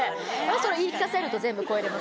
それ言い聞かせると全部超えられますね。